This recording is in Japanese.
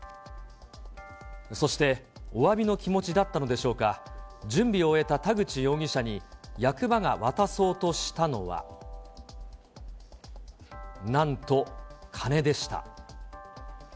そしておわびの気持ちだったのでしょうか、準備を終えた田口容疑者に役場が渡そうとしたのは、なんと金でした。